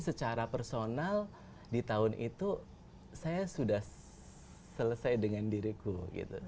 secara personal di tahun itu saya sudah selesai dengan diriku gitu